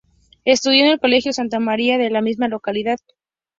Estudió en el Colegio Santa María, de la misma localidad.